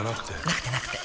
なくてなくて